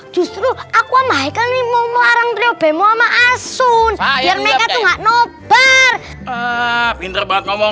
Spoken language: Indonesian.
justru aku amai kali mau melarang terobong sama asun biar mereka tuh nggak nobar pinter banget ngomong